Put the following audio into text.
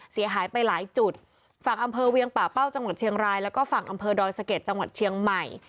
เสียหายไปหลายจุดฝั่งอำเภอเวียงป่าเป้าจังหวัดเชียงรายแล้วก็ฝั่งอำเภอดอยสะเก็ดจังหวัดเชียงใหม่